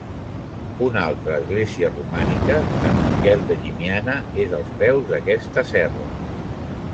Una altra església romànica, Sant Miquel de Llimiana és als peus d'aquesta serra.